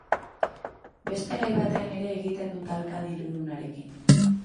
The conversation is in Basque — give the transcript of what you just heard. Beste gai batean ere egiten du talka dirudunarekin.